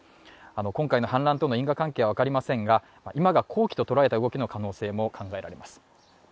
今回の反乱との因果関係は分かりませんが今が好機と捉えた可能性もあります。